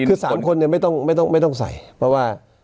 คือ๓คนไม่ต้องใส่เพราะว่า